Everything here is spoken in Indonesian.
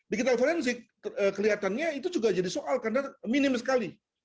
digital forensik kelihatannya itu juga jadi soal karena minim sekali